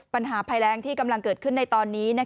ปัญหาภัยแรงที่กำลังเกิดขึ้นในตอนนี้